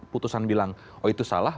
putusan bilang oh itu salah